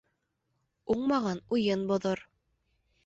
Уңмаған уйын боҙор.